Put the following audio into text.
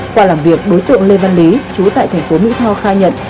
qua làm việc đối tượng lê văn lý chú tại thành phố mỹ tho khai nhận